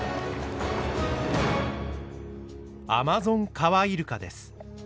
アマゾンカワイルカです。